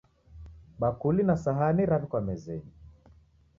Bakuli na sahani raw'ikwa mezenyi